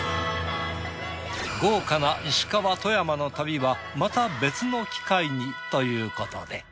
豪華な石川富山の旅はまた別の機会にということで。